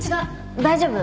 大丈夫。